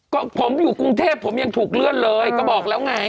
ก็ผมอยู่กรุงเทพผมยังถูกเลื่อนเลยก็บอกแล้วไง